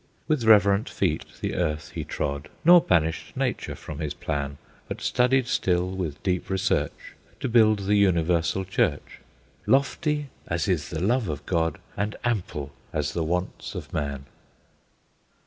With reverent feet the earth he trod, Nor banished nature from his plan, But studied still with deep research To build the Universal Church, Lofty as is the love of God, And ample as the wants of man.